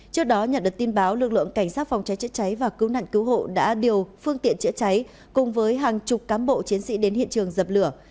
trước đó nhận được tin báo lực lượng cảnh sát phòng cháy chữa cháy và cứu nạn cứu hộ đã điều phương tiện chữa cháy cùng với hàng chục cán bộ chiến sĩ đến hiện trường dập lửa